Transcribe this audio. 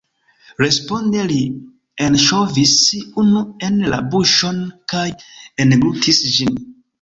Responde li enŝovis unu en la buŝon kaj englutis ĝin.